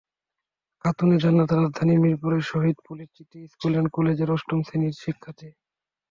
খাতুনে জান্নাত রাজধানীর মিরপুরের শহীদ পুলিশ স্মৃতি স্কুল অ্যান্ড কলেজের অষ্টম শ্রেণির শিক্ষার্থী।